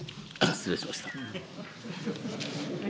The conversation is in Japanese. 失礼しました。